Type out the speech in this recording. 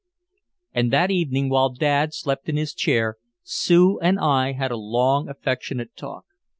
And that evening, while Dad slept in his chair, Sue and I had a long affectionate talk.